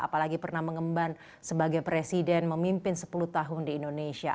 apalagi pernah mengemban sebagai presiden memimpin sepuluh tahun di indonesia